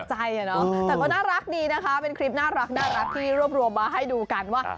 แต่ก็น่ารักดีนะคะเป็นคลิปน่ารักที่รวบรวมมาให้ดูกันว่า